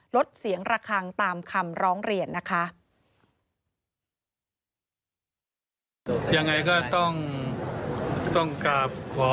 ลดเสียงระคังตามคำร้องเรียนนะคะ